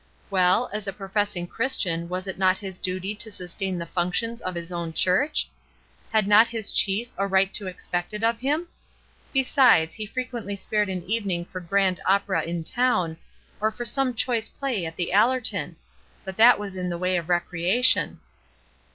Well, as a professing Christian was it not his duty to sustain the functions of his own church ? Had not his Chief a right to expect it of him? Besides, he frequently spared an evening for grand opera in town, or for some choice play at The Allerton. But that was in the way of recreation.